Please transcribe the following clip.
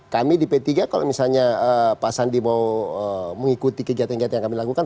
kami di p tiga kalau misalnya pak sandi mau mengikuti kegiatan kegiatan yang kami lakukan